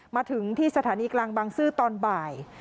มาถึงที่สถานีกลางบางซื่อตอนบ่าย